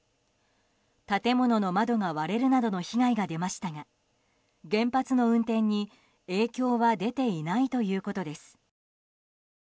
建物の窓が割れるなどの被害が出ましたが原発の運転に影響は出ていないということです。